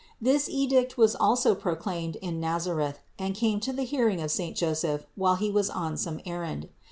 This edict was also proclaimed in Nazareth and came to the hearing of saint Joseph while he was on some errand.